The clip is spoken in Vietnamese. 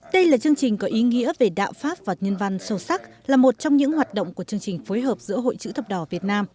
đây là chương trình có ý nghĩa về đạo pháp và nhân văn sâu sắc là một trong những hoạt động của chương trình phối hợp giữa hội chữ thập đỏ việt nam